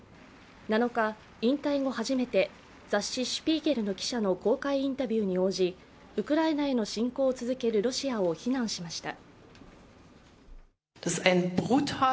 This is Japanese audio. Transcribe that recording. ７日、引退後初めて雑誌「シュピーゲル」の記者の公開インタビューに応じ、ウクライナへの侵攻を続けるロシアを非難しました。